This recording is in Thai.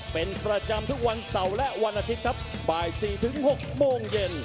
เป็นประจำทุกวันเสาร์และวันอาทิตย์ครับบ่าย๔๖โมงเย็น